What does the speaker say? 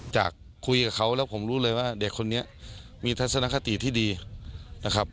จากคุยกับเขาแล้วผมรู้เลยว่าเด็กคนนี้มีทัศนคติที่ดีนะครับ